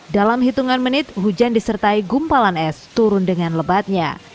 dalam hitungan menit hujan disertai gumpalan es turun dengan lebatnya